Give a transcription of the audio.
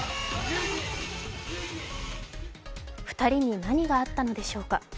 ２人に何があったのでしょうか。